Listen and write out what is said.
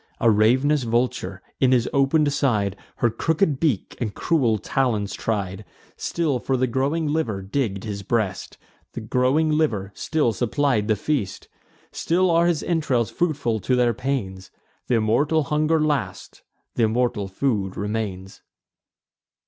A rav'nous vulture, in his open'd side, Her crooked beak and cruel talons tried; Still for the growing liver digg'd his breast; The growing liver still supplied the feast; Still are his entrails fruitful to their pains: Th' immortal hunger lasts, th' immortal food remains.